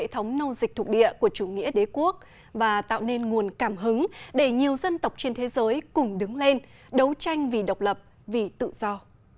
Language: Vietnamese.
hệ thống nâu dịch thuộc địa của chủ nghĩa đế quốc và tạo nên nguồn cảm hứng để nhiều dân tộc trên thế giới cùng đứng lên đấu tranh vì độc lập vì tự do